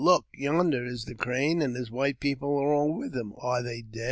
Look ! Yonder is the Crane; and his white people are all with him — are they dead